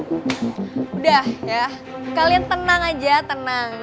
udah ya kalian tenang aja tenang